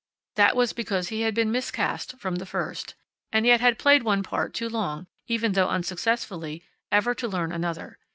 That was because he had been miscast from the first, and yet had played one part too long, even though unsuccessfully, ever to learn another.